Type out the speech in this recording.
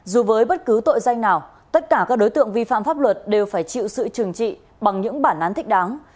dù với bất cứ tội danh nào tất cả các đối tượng vi phạm pháp luật đều phải chịu sự trừng trị bằng những bản án thích đáng